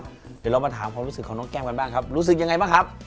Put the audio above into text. เดี๋ยวเรามาถามความรู้สึกของน้องแก้มกันบ้างครับรู้สึกยังไงบ้างครับ